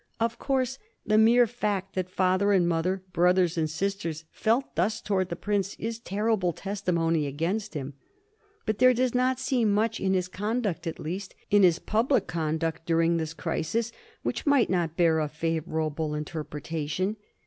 Of course the mere fact that father and mother, brothers and sisters, felt thus towards the prince is terrible testimony against him. But there does not seem much in his conduct, at least in his public conduct, during this crisis, which might not bear a favor able interpretation.